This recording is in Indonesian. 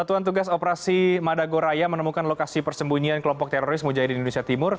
satuan tugas operasi madagoraya menemukan lokasi persembunyian kelompok teroris mujahidin indonesia timur